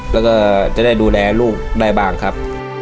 แล้วก็จะได้ดูแลลูกได้บ้างครับ